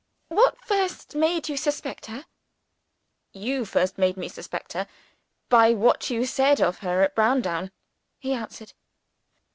"What first made you suspect her?" "You first made me suspect her, by what you said of her at Browndown," he answered.